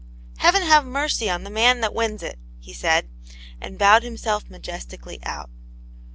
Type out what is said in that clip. " Heaven have mercy on the man that wins it !" he said, and bowed himself majestically out.